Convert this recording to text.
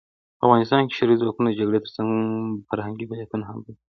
په افغانستان کې شوروي ځواکونه د جګړې ترڅنګ فرهنګي فعالیتونه هم پیل کړي وو.